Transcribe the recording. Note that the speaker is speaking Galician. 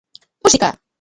Música!